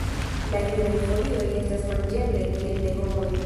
La junaj folioj estas manĝeblaj kiel legomoj.